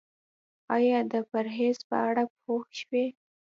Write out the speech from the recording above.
ایا د پرهیز په اړه پوه شوئ؟